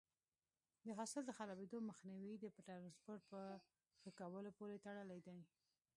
د حاصل د خرابېدو مخنیوی د ټرانسپورټ په ښه کولو پورې تړلی دی.